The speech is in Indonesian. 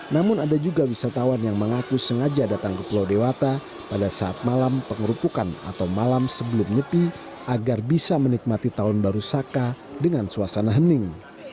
namun ada juga wisatawan yang mengaku sengaja datang ke pulau dewata pada saat malam pengerupukan atau malam sebelum nyepi agar bisa menikmati tahun baru saka dengan suasana hening